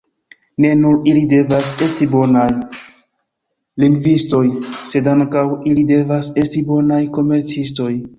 Ne nur ili devas esti bonaj lingvistoj, sed ankaŭ ili devas esti bonaj komercistoj.